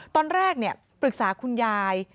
ตอนแรกเนี่ยปรึกษาคุณยาย